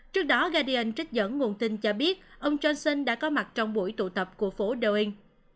trước đó gadian trích dẫn nguồn tin cho biết ông johnson đã có mặt trong buổi tụ tập của phố dowing